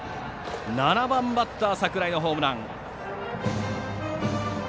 ７番バッター、櫻井のホームラン。